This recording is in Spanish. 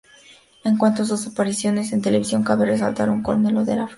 En cuanto a sus apariciones en televisión cabe resaltar un cameo la serie Friends".